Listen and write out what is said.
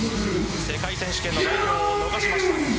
世界選手権の代表を逃しました。